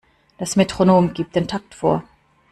Das Metronom gibt den Takt vor.